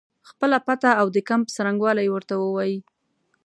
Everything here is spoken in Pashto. خپله پته او د کمپ څرنګوالی ورته ووایي.